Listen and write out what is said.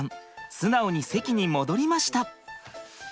素直に席に戻りました。